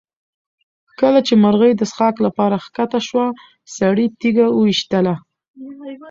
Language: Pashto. کله چې مرغۍ د څښاک لپاره کښته شوه سړي تیږه وویشتله.